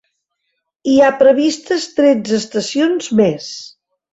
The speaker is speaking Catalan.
Hi ha previstes tretze estacions més.